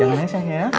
jangan nesek ya